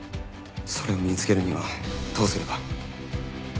それを見つけるにはどうすれば。